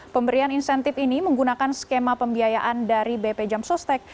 pemberian insentif ini menggunakan skema pembiayaan dari bp jam sostek